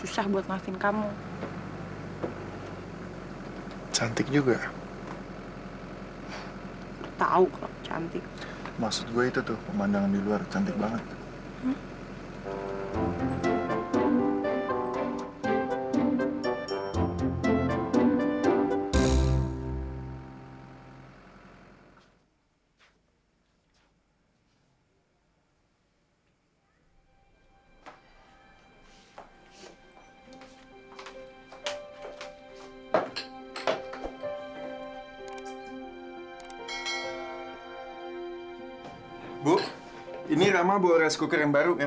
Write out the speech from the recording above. sampai jumpa di video selanjutnya